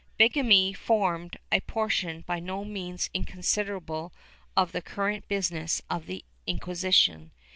Bigamy formed a portion by no means inconsiderable of the current business of the Inquisition.